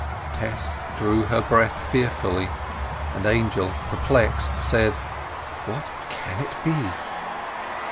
Tess drew her breath fearfully, and Angel, perplexed, said— "What can it be?"